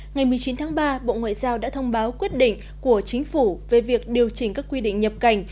ngày một mươi chín tháng ba bộ ngoại giao đã thông báo quyết định của chính phủ về việc điều chỉnh các quy định nhập cảnh